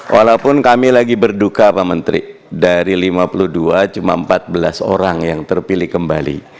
walaupun kami lagi berduka pak menteri dari lima puluh dua cuma empat belas orang yang terpilih kembali